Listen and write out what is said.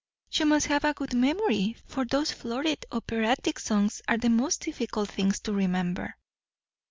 "You must have a good memory, for those florid operatic songs are the most difficult things to remember."